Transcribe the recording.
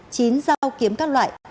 chín dao kiếm các loại